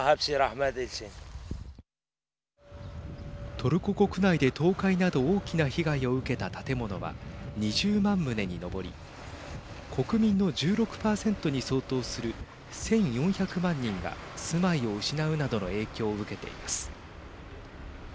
トルコ国内で倒壊など大きな被害を受けた建物は２０万棟に上り国民の１６％に相当する１４００万人が住まいを失うなどの影響を受けています。